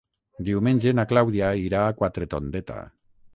Diumenge na Clàudia irà a Quatretondeta.